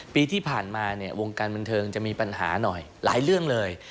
ปีที่ผ่านมาเนี่ยวงการบันเทิงจะมีปัญหาหน่อยหลายเรื่องเลย